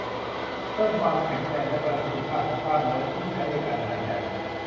เพิ่มความแข็งแรงและประสิทธิภาพของกล้ามเนื้อที่ใช้ในการหายใจ